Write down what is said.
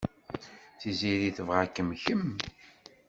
Tiziri tebɣa-kem kemm.